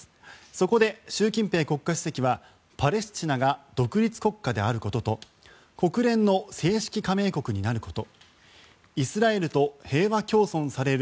そこで習近平国家主席はパレスチナが独立国家であることと国連の正式加盟国になることイスラエルと平和共存される